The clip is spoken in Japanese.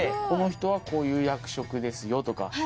この人はこういう役職ですよ！とか。